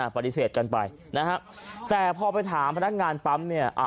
ปฏิเสธกันไปนะฮะแต่พอไปถามพนักงานปั๊มเนี่ย